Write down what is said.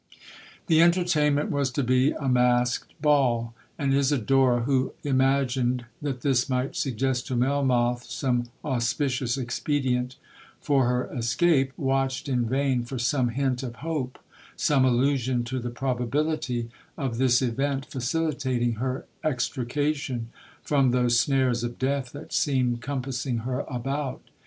'The entertainment was to be a masked ball; and Isidora, who imagined that this might suggest to Melmoth some auspicious expedient for her escape, watched in vain for some hint of hope,—some allusion to the probability of this event facilitating her extrication from those snares of death that seemed compassing her about.